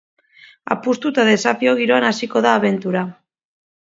Apustu eta desafio giroan hasiko da abentura.